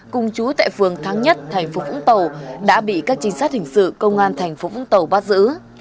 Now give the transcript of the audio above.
cung chú tại phường tháng nhất tp vũng tàu đã bị các trinh sát hình sự công an tp vũng tàu bắt giữ